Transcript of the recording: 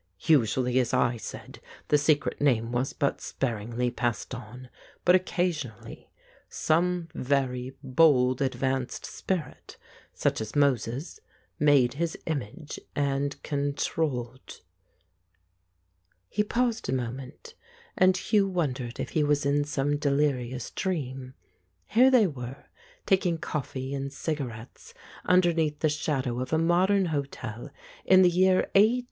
Usually, as I said, the secret name was but sparingly passed on, but occasionally some very bold ad vanced spirit, such as Moses, made his image, and controlled " He paused a moment, and Hugh wondered if he was in some delirious dream. Here they were, taking coffee and cigarettes underneath the shadow of a modern hotel in the year a.